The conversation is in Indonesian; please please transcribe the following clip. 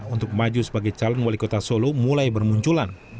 untuk maju sebagai calon wali kota solo mulai bermunculan